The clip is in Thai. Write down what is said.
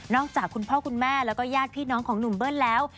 จากคุณพ่อคุณแม่แล้วก็ญาติพี่น้องของหนุ่มเบิ้ลแล้ว